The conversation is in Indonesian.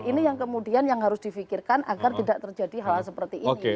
ini yang kemudian yang harus difikirkan agar tidak terjadi hal hal seperti ini